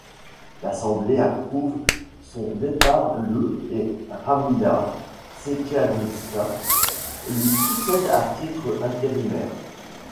L'Assemblée approuve son départ le et Radmila Šekerinska lui succède à titre intérimaire.